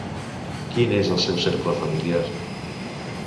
Quin és el seu cercle familiar?